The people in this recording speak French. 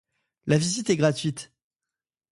La visite est gratuite.